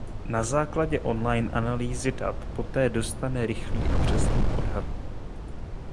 Na základě online analýzy dat poté dostane rychlý a přesný odhad.